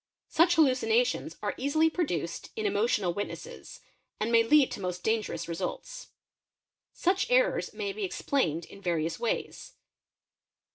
Such hallucinations are easily oduced in emotional witnesses and may lead to most dangerous sults. Such errors (Paramnésie) may be explained in various ways.